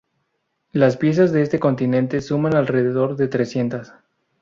Las piezas de este continente suman alrededor de trescientas.